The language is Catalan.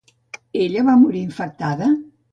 Ella va morir infectada?